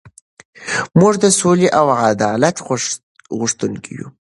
موږ د سولې او عدالت غوښتونکي یو.